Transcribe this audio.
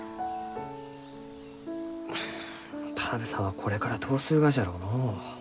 田邊さんはこれからどうするがじゃろうのう？